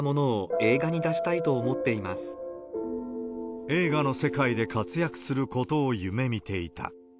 映画の世界で活躍することを夢みていた。